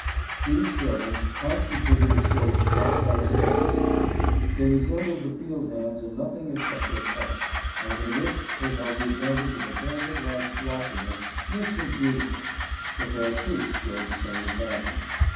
These servants constituted a sort of black aristocracy. They resembled the field hands in nothing except their color, and in this they held the advantage of a velvet like glossiness, rich and beautiful. The hair, too, showed the same advantage.